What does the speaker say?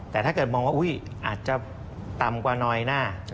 แต่ถ้าเกิดมองว่าอาจจะต่ำกว่าน้อยหน้า